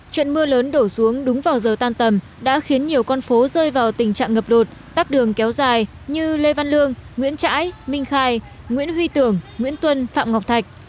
trận mưa lớn đổ xuống đúng vào giờ tan tầm đã khiến nhiều con phố rơi vào tình trạng ngập lụt tắc đường kéo dài như lê văn lương nguyễn trãi minh khai nguyễn huy tưởng nguyễn tuân phạm ngọc thạch